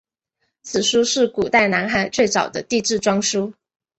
此书是古代南海最早的地志专书。